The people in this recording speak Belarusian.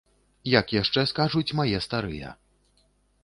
Як яшчэ скажуць мае старыя.